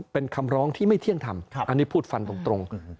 เป็นคำร้องที่ไม่เที่ยงทำอันนี้พูดฟันตรง